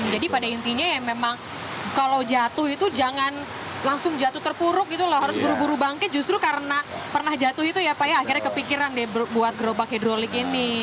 jadi pada intinya ya memang kalau jatuh itu jangan langsung jatuh terpuruk gitu loh harus buru buru bangkit justru karena pernah jatuh itu ya pak ya akhirnya kepikiran deh buat gerobak hidrolik ini